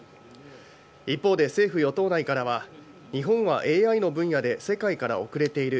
一方で政府・与党内からは、日本はＡＩの分野で世界から遅れている。